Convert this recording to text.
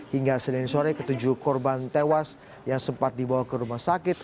hingga senin sore ketujuh korban tewas yang sempat dibawa ke rumah sakit